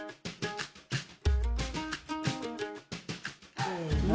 せの。